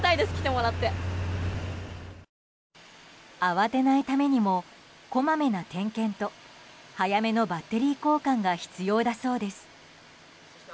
慌てないためにもこまめな点検と早めのバッテリー交換が必要だそうです。